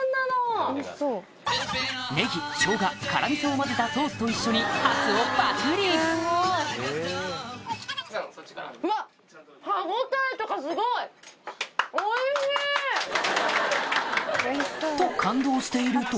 ネギ生姜辛味噌を混ぜたソースと一緒にハツをパクリ！と感動していると